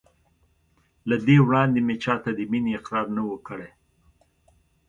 له دې وړاندې مې چا ته د مینې اقرار نه و کړی.